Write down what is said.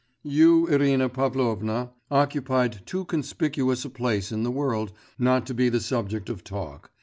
'You, Irina Pavlovna, occupied too conspicuous a place in the world, not to be the subject of talk